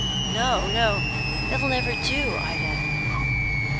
"No, no; that'll never do, Ida."